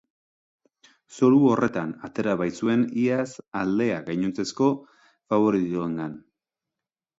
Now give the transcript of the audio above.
Zoru horretan atera baitzuen iaz aldea gainontzeko faboritoengan.